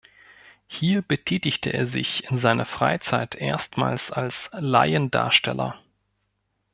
Hier betätigte er sich in seiner Freizeit erstmals als Laiendarsteller.